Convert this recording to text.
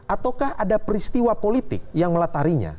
ataukah ada peristiwa politik yang melatarinya